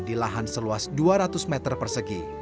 di lahan seluas dua ratus meter persegi